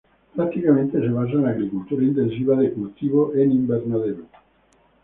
Prácticamente se basa en la agricultura intensiva de cultivo en invernadero.